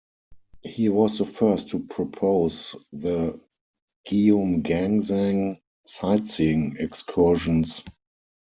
He was the first to propose the Geumgangsan sightseeing excursions.